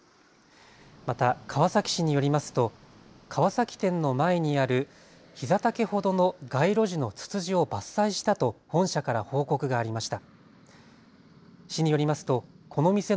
また川崎市によりますと川崎店の前にあるひざ丈ほどの街路樹のツツジを伐採したと本社から報告がありました。